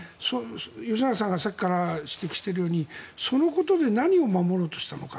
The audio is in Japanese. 吉永さんがさっきから指摘しているようにそのことで何を守ろうとしたのか。